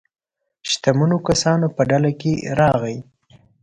شتمنو کسانو په ډله کې راغی.